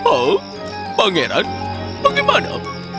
oh pangeran bagaimana